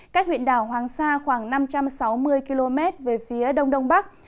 cách huyện đảo hoàng sa khoảng năm trăm sáu mươi km về phía đông đông bắc